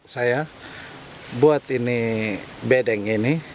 saya buat ini bedeng ini